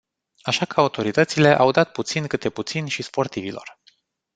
Așa că autoritățile au dat puțin câte puțin și sportivilor.